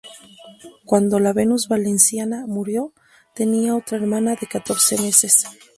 Cuando "La Venus Valenciana" murió, tenía otra hermana de catorce meses.